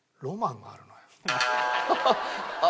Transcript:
ロマン。